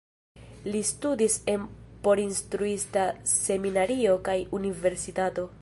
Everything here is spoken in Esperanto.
Li studis en porinstruista seminario kaj universitato.